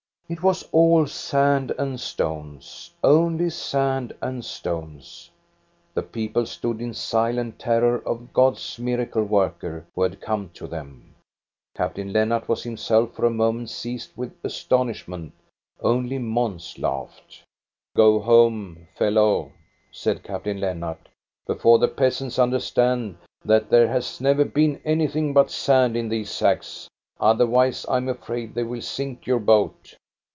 It was all sand and stones, only sand and stones. The people stood in silent terror of God's miracle worker who had come to them. Captain Lennart was himself for a moment seized with astonishment. Only Mons laughed. Go home, fellow," said Captain Lennart, " before the peasants understand that there has never been anything but sand in these sacks; otherwise I am afraid they will sink your boat."